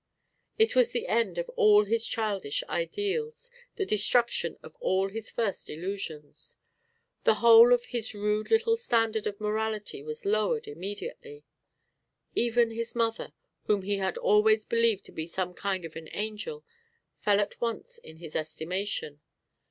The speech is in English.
It was the end of all his childish ideals, the destruction of all his first illusions. The whole of his rude little standard of morality was lowered immediately. Even his mother, whom he had always believed to be some kind of an angel, fell at once in his estimation.